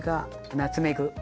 ナツメグ。